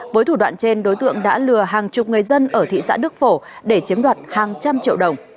với thủ đoạn trên đối tượng đã lừa hàng chục người dân ở thị xã đức phổ để chiếm đoạt hàng trăm triệu đồng